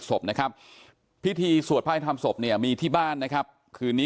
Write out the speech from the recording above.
ศพนะครับพิธีสวดพระอภิษฐรรมศพเนี่ยมีที่บ้านนะครับคืนนี้